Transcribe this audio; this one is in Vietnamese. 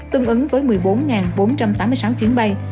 tương ứng với một mươi bốn bốn trăm tám mươi sáu chuyến bay